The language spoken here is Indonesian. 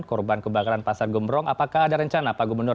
korban kebakaran pasar gembrong apakah ada rencana pak gubernur